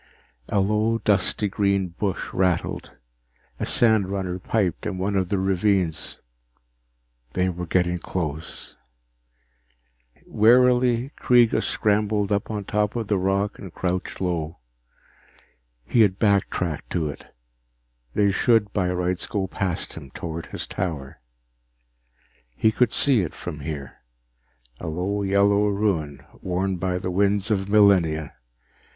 _ A low, dusty green bush rustled. A sandrunner piped in one of the ravines. They were getting close. Wearily, Kreega scrambled up on top of the rock and crouched low. He had backtracked to it; they should by rights go past him toward his tower. He could see it from here, a low yellow ruin worn by the winds of millennia.